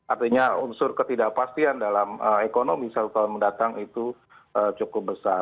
artinya unsur ketidakpastian dalam ekonomi satu tahun mendatang itu cukup besar